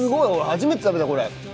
初めて食べたこれ。